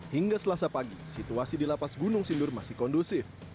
hingga selasa pagi situasi di lapas gunung sindur masih kondusif